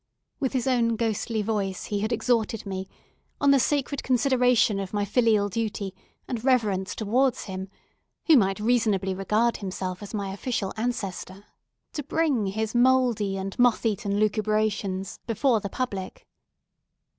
With his own ghostly voice he had exhorted me, on the sacred consideration of my filial duty and reverence towards him—who might reasonably regard himself as my official ancestor—to bring his mouldy and moth eaten lucubrations before the public.